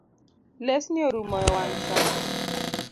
Lesni orum ewang’ sa